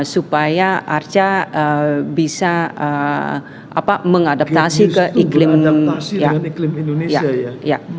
supaya arca bisa mengadaptasi ke iklim indonesia